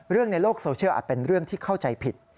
เรื่องในโลกโซเชียลอาจเป็นเรื่องที่เข้าใจผิด